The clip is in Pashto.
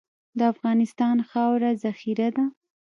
د افغانستان خاوره زرخیزه ده.